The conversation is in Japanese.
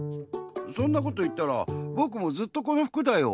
そんなこといったらぼくもずっとこの服だよ。